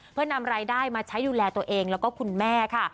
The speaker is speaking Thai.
เพื่อนำรายได้มาใช้ดูแลตัวเองแล้วก็คุณแม่ค่ะ